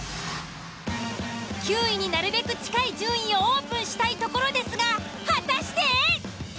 ９位になるべく近い順位をオープンしたいところですが果たして？